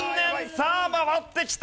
さあ回ってきた！